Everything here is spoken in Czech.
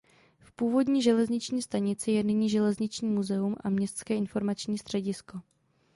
V původní železniční stanici je nyní železniční muzeum a městské informační středisko.